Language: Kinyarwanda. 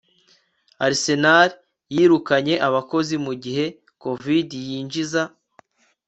Arsenal yirukanye abakozi mugihe COVID yinjiza